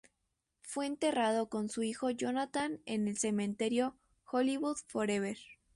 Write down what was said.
Fue enterrado con su hijo Jonathan en el cementerio Hollywood Forever.